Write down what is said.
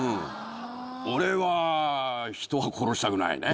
俺は人を殺したくないね。